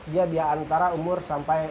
dia di antara umur sampai empat bulan